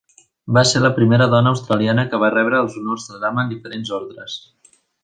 Va ser la primera dona australiana que va rebre els honors de dama en diferents ordres.